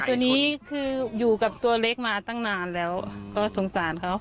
ตัวนี้คืออยู่กับตัวเล็กมาตั้งนานแล้วก็สงสารเขา